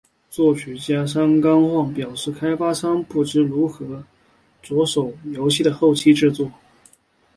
作曲家山冈晃表示开发商不知道如何着手游戏的后期制作。